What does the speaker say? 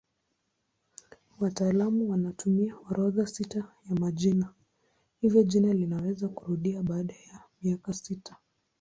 Wataalamu wanatumia orodha sita ya majina hivyo jina linaweza kurudia baada ya miaka sita.